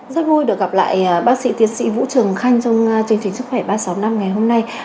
rất vui được gặp lại bác sĩ tiến sĩ vũ trường khanh trong chương trình sức khỏe ba trăm sáu mươi năm ngày hôm nay